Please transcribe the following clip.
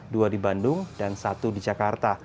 dua di bandung dan satu di jakarta